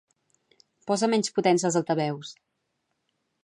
Posa menys potència als altaveus.